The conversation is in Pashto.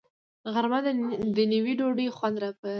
غرمه د نیوي ډوډۍ خوند زیاتوي